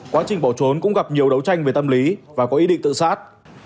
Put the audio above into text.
quá trình bỏ trốn cũng gặp nhiều đấu tranh về tâm lý và có ý định tự sát